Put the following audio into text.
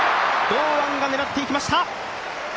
堂安が狙っていきました！